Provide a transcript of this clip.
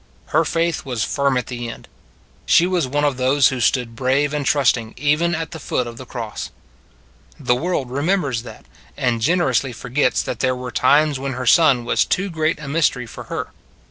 Her faith was firm at the end; she was one of those who stood brave and trusting even at the foot of the cross. The world remembers that; and gener ously forgets that there were times when her Son was too great a mystery for her.